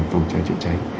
phòng cháy trợ cháy